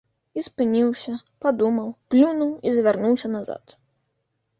І спыніўся, падумаў, плюнуў і завярнуўся назад.